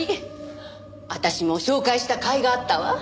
私も紹介した甲斐があったわ。